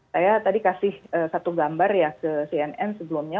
saya tadi kasih satu gambar ya ke cnn sebelumnya